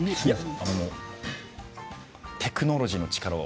テクノロジーの力を。